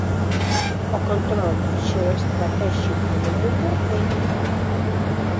O control xeoestratéxico do mundo é vital.